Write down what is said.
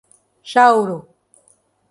Jauru